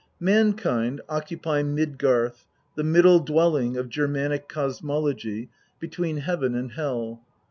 INTRODUCTION. xix Mankind occupy Midgarth, the middle dwelling of Germanic cosmology, between Heaven and Hel.